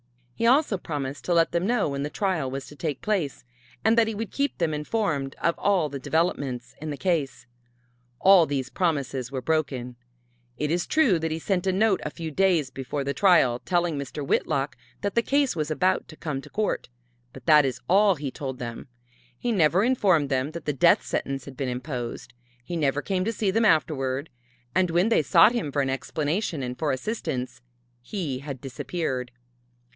He also promised to let them know when the trial was to take place, and that he would keep them informed of all the developments in the case. All these promises were broken. It is true that he sent a note a few days before the trial telling Mr. Whitlock that the case was about to come to court, but that is all that he told them. He never informed them that the death sentence had been imposed. He never came to see them afterward. And when they sought him for an explanation and for assistance, he had disappeared.